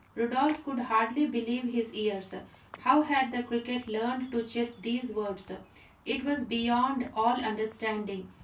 Rodolph could hardly believe his ears. How had the cricket learned to chirp these words? It was beyond all understanding.